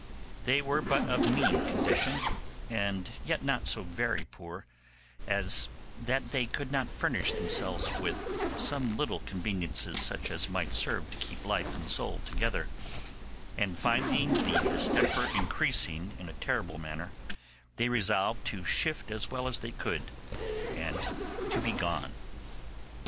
They were but of mean condition, and yet not so very poor as that they could not furnish themselves with some little conveniences such as might serve to keep life and soul together; and finding the distemper increasing in a terrible manner, they resolved to shift as well as they could, and to be gone.